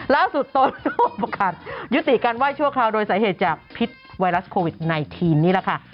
ตนก็ประกาศยุติการไห้ชั่วคราวโดยสาเหตุจากพิษไวรัสโควิด๑๙นี่แหละค่ะ